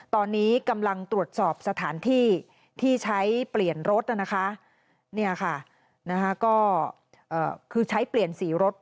ตอนนี้กำลังตรวจสอบสถานที่ที่ใช้เปลี่ยนสีรถ